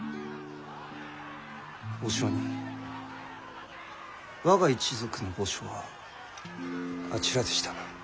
お上人我が一族の墓所はあちらでしたな。